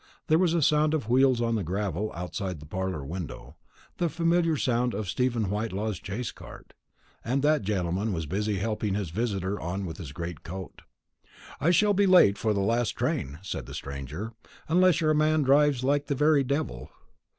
There was a sound of wheels on the gravel outside the parlour window the familiar sound of Stephen Whitelaw's chaise cart; and that gentleman was busy helping his visitor on with his great coat. "I shall be late for the last train," said the stranger, "unless your man drives like the very devil."